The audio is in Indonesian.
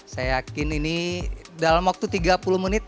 saya yakin ini dalam waktu tiga puluh menit